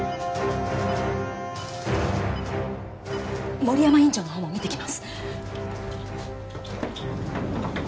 森山院長のほうも見てきます。